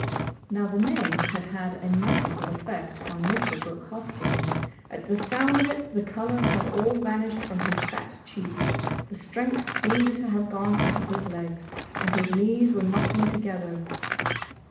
Now the name had had a magical effect on Mr. Brooke Hoskyn. At the sound of it the colour had all vanished from his fat cheeks, the strength seemed to have gone out of his legs, and his knees were knocking together.